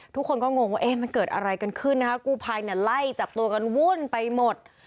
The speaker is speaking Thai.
ทุกคนก็งงว่าเอ๊ะมันเกิดอะไรกันขึ้นนะคะกู้ภัยเนี่ยไล่จับตัวกันวุ่นไปหมด